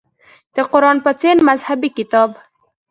د قران په څېر مذهبي کتاب.